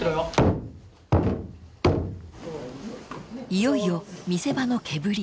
［いよいよ見せ場の毛振り］